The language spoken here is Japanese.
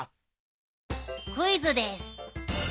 クイズです。